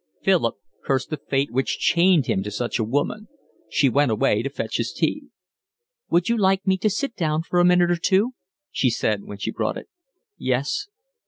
Philip cursed the fate which chained him to such a woman. She went away to fetch his tea. "Would you like me to sit down for a minute or two?" she said, when she brought it. "Yes."